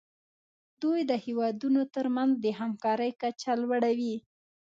دوی د هیوادونو ترمنځ د همکارۍ کچه لوړوي